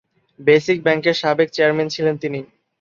Basic ব্যাংকের সাবেক chairman ছিলেন তিনি।